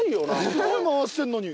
すごい回してるのに。